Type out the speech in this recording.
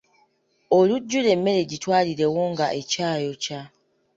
Olujjula emmere gitwalirewo nga ekyayokya.